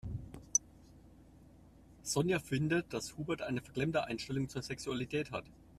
Sonja findet, dass Hubert eine verklemmte Einstellung zur Sexualität hat.